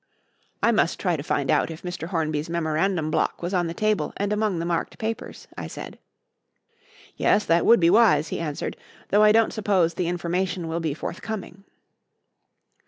"I must try to find out if Mr. Hornby's memorandum block was on the table and among the marked papers," I said. "Yes, that would be wise," he answered, "though I don't suppose the information will be forthcoming."